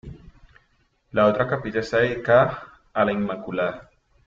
La otra capilla está dedicada a la Inmaculada.